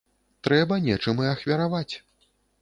Трэба нечым і ахвяраваць.